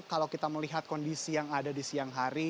kalau kita melihat kondisi yang ada di siang hari